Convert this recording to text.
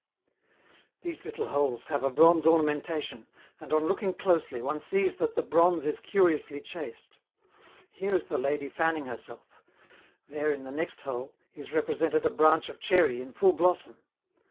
These little holes have a bronze ornamentation, and, on looking closely, one sees that the bronze is curiously chased: here is a lady fanning herself; there, in the next hole, is represented a branch of cherry in full blossom.